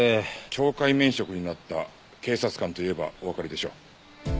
懲戒免職になった警察官と言えばおわかりでしょう。